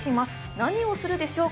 何をするでしょうか？